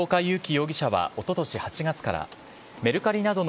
容疑者はおととし８月から、メルカリなどの